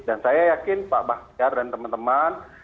dan saya yakin pak bakhtiar dan teman teman